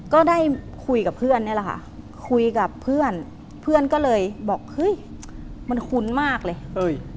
ก็ได้คุยกับเพื่อนนี่แหละค่ะคุยกับเพื่อนเพื่อนก็เลยบอกเฮ้ยมันคุ้นมากเลยเอ้ย